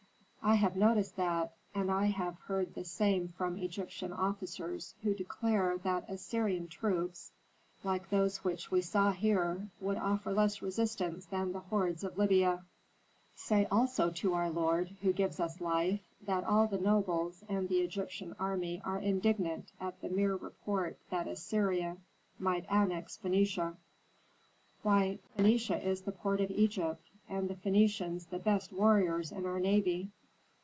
"I have noticed that, and I have heard the same from Egyptian officers who declare that Assyrian troops, like those which we saw here, would offer less resistance than the hordes of Libya." "Say also to our lord, who gives us life, that all the nobles and the Egyptian army are indignant at the mere report that Assyria might annex Phœnicia. Why, Phœnicia is the port of Egypt, and the Phœnicians the best warriors in our navy.